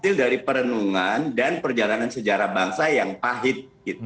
hasil dari perenungan dan perjalanan sejarah bangsa yang pahit